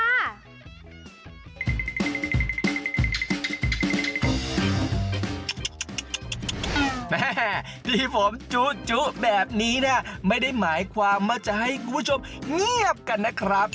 แม่ที่ผมจุแบบนี้เนี่ยไม่ได้หมายความว่าจะให้คุณผู้ชมเงียบกันนะครับ